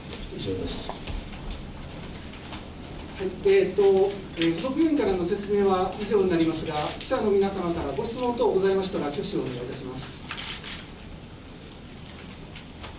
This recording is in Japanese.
附属病院からの説明は以上になりますが、記者の皆様からご質問等ございましたら、挙手をお願いいたします。